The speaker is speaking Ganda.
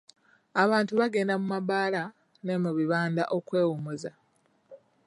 Abantu bagenda mu mabaala ne mu bibanda okwewummuza.